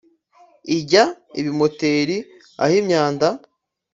ijya ibimoteri aho imyanda